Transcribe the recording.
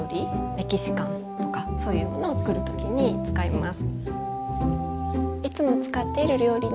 メキシカンとかそういうものをつくる時に使います。